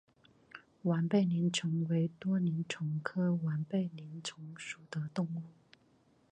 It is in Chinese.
完背鳞虫为多鳞虫科完背鳞虫属的动物。